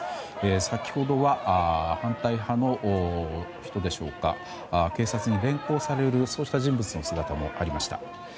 先ほどは反対派の人でしょうか警察に連行されるそうした人物の姿もありました。